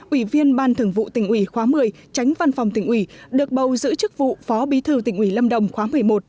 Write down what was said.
ủy viên ban thường vụ tỉnh ủy khóa một mươi tránh văn phòng tỉnh ủy được bầu giữ chức vụ phó bí thư tỉnh ủy lâm đồng khóa một mươi một